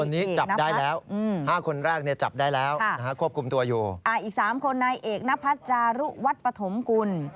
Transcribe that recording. นายเอกนะครับอืมค่ะควบคุมตัวอยู่อีก๓คนนายเอกณพัชจารุวัฒน์ปฐมกุล